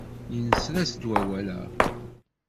Yenser-as-d wawal-a.